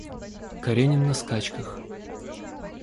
Каренин на скачках.